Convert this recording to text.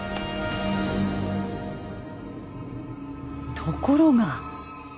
ところが。